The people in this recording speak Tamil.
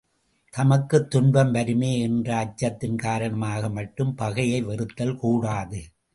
தமக்குத் துன்பம் வருமே என்ற அச்சத்தின் காரணமாக மட்டும் பகையை வெறுத்தல் கூடாது.